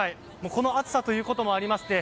この暑さということもありまして